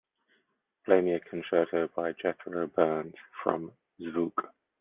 Play me a concerto by Jethro Burns from Zvooq